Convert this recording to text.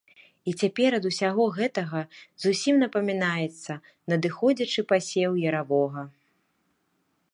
І цяпер ад усяго гэтага зусім напамінаецца надыходзячы пасеў яравога.